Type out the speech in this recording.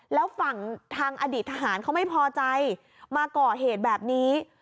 แล้วฝั่งทางอดีตทหารเขาไม่พอใจมาก่อเหตุแบบนี้